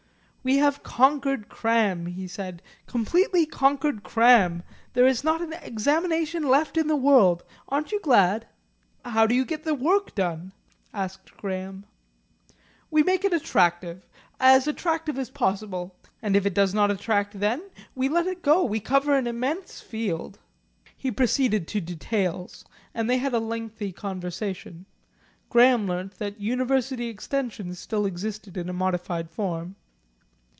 "We have conquered Cram," he said, "completely conquered Cram there is not an examination left in the world. Aren't you glad?" "How do you get the work done?" asked Graham. "We make it attractive as attractive as possible. And if it does not attract then we let it go. We cover an immense field." He proceeded to details, and they had a lengthy conversation. Graham learnt that University Extension still existed in a modified form.